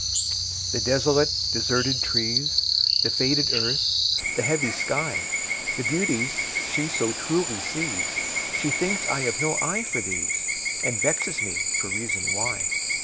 The desolate, deserted trees, The faded earth, the heavy sky, The beauties she so truly sees, She thinks I have no eye for these, And vexes me for reason why.